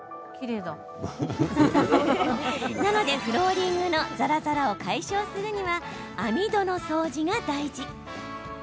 なのでフローリングのザラザラを解消するには網戸の掃除が大事。